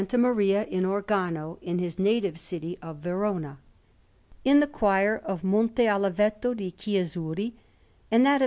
Maria in Organo in his native city of Verona, in the choir of Monte Oliveto di Chiusuri and that of S.